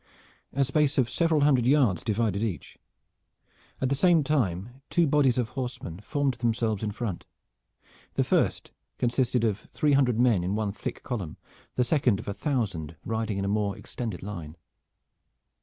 A space of several hundred yards divided each. At the same time two bodies of horsemen formed themselves in front. The first consisted of three hundred men in one thick column, the second of a thousand, riding in a more extended line.